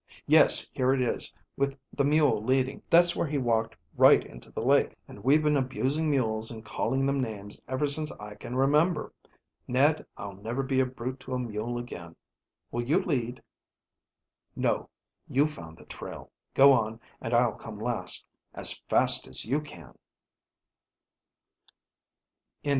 "Yes, here it is, with the mule leading. That's where he walked right into the lake. And we've been abusing mules and calling them names ever since I can remember. Ned, I'll never be a brute to a mule again. Will you lead?" "No. You found the trail. Go on, and I'll come last. As fast as you can."